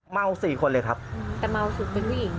สี่คนเลยครับแต่เมาสุดเป็นผู้หญิง